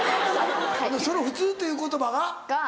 その「普通」っていう言葉が？